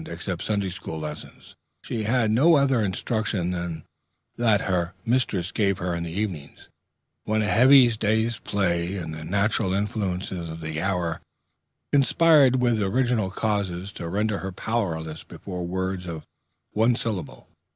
Except Sunday school lessons, she had no other instruction than that her mistress gave her in the evenings, when a heavy day's play and the natural influences of the hour conspired with original causes to render her powerless before words of one syllable.